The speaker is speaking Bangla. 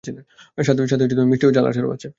সাথে মিষ্টি ও ঝাল আচারও আছে।